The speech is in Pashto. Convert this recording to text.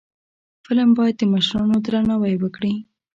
فلم باید د مشرانو درناوی وکړي